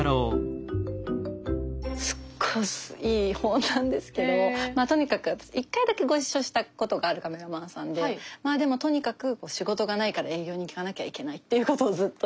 すっごいいい本なんですけどとにかく１回だけご一緒したことがあるカメラマンさんでまぁでもとにかく仕事がないから営業に行かなきゃいけないっていうことをずっと言ってて。